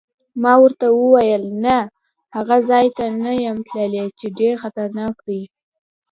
ما ورته وویل: نه، هغه ځای ته نه یم تللی چې ډېر خطرناک دی.